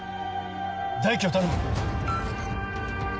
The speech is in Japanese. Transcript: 大樹を頼む。